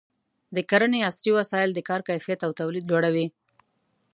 د کرنې عصري وسایل د کار کیفیت او تولید لوړوي.